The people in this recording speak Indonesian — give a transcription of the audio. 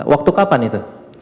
waktu kapan itu